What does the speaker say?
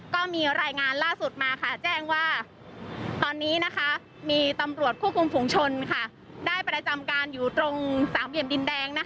ก็มีรายงานล่าสุดมาแจ้งว่าตอนนี้มีตำรวจควบคุมฝุงชนได้ประจำการอยู่ตรงสามเหลี่ยมดินแดง